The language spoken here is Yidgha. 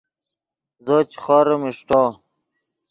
زو چے خوریم اݰٹو